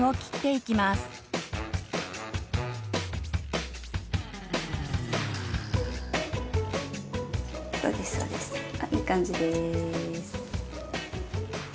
いい感じです。